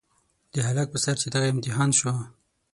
د هلک په سر چې دغه امتحان شو.